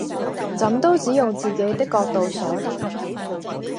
怎都只用自己的角度想！